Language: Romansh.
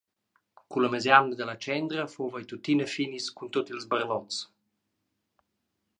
Culla mesjamna dalla tschendra fuva ei tuttina finis cun tut ils barlots.